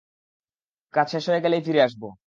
কাজ শেষ হয়ে গেলেই ফিরে আসব।